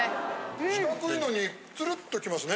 四角いのにツルっときますね。